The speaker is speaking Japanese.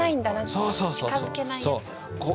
そうそうそう。